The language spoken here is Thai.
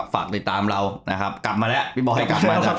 ฝากติดตามเรานะครับกลับมาแล้วพี่บอยกลับมาครับ